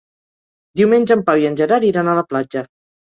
Diumenge en Pau i en Gerard iran a la platja.